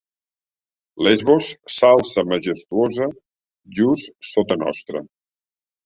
Lesbos s'alça majestuosa just sota nostre.